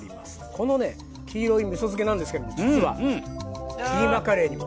このね黄色いみそ漬けなんですけれども実はキーマカレーにも。